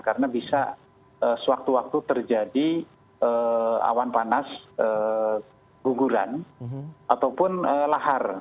karena bisa sewaktu waktu terjadi awan panas guguran ataupun lahar